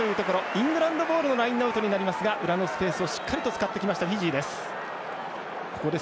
イングランドボールのラインアウトになりますが裏のスペースをしっかり使ってきました、フィジー。